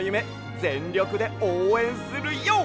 ぜんりょくでおうえんするＹＯ！